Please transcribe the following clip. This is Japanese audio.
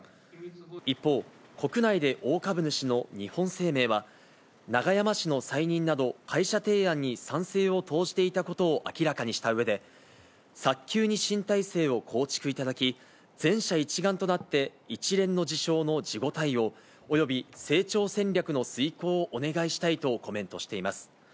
一方、国内で大株主の日本生命は、永山氏の再任など、会社提案に賛成を投じていたことを明らかにしたうえで、早急に新体制を構築いただき、全社一丸となって、一連の事象の事後対応および成長戦略の遂行をお願いしたいとコメントしています。